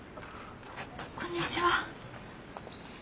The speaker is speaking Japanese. こんにちは。